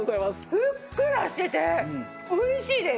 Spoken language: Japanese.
ふっくらしてて美味しいです！